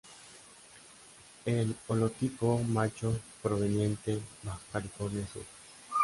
El holotipo macho proveniente Baja california sur.